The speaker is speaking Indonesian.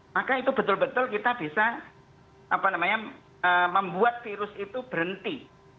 maka itu betul betul kita bisa membuat virus itu berhenti